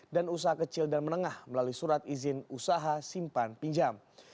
dan usaha kecil dan menengah melalui surat izin usaha simpan pinjam